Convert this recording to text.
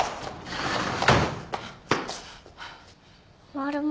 マルモ？